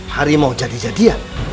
hari mau jadi jadian